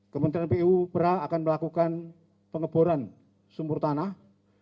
kementerian pu perang akan melakukan pengeboran sumur tanah